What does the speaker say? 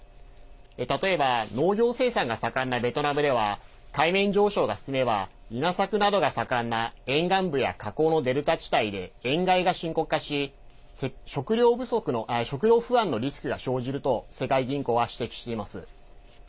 例えば、農業生産が盛んなベトナムでは海面上昇が進めば稲作などが盛んな沿岸部や河口のデルタ地帯で塩害が深刻化し食料不安のリスクが生じると世界銀行は指摘しています。